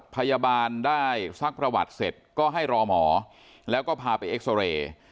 พยาบาลได้ซักประวัติเสร็จก็ให้รอหมอแล้วก็พาไปเอ็กซอเรย์